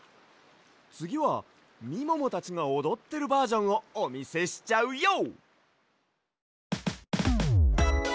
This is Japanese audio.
つぎはみももたちがおどってるバージョンをおみせしちゃうＹＯ！